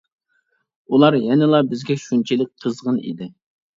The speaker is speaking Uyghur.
ئۇلار يەنىلا بىزگە شۇنچىلىك قىزغىن ئىدى.